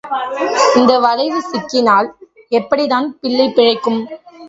இந்த வளைவு சிக்கினால் எப்படித்தான் பிள்ளை பிழைக்கும்?